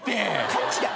勘違い。